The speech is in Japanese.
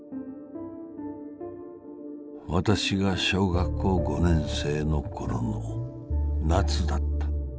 「私が小学校五年生のころの夏だった。